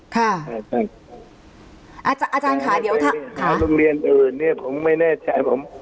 อาจารย์ค่ะเดี๋ยวโรงเรียนอื่นเนี่ยผมไม่แน่ใจผม